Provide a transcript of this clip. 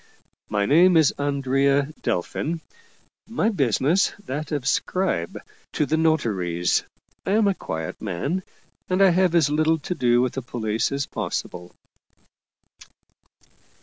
My name is Andrea Delfin, my business that of scribe to 38 Paul Heyse the notaries. I am a quiet man, and have as little to do with the police as possible."